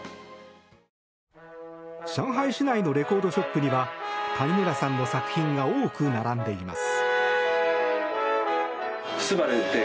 上海市内のレコードショップには谷村さんの作品が多く並んでいます。